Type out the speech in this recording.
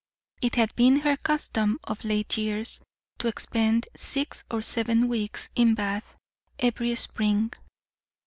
It had been her custom of late years to spend six or seven weeks in Bath every spring.